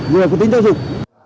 vừa có tính giáo dục